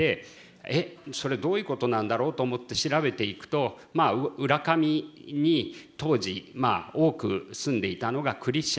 えっそれどういうことなんだろうと思って調べていくと浦上に当時多く住んでいたのがクリスチャン。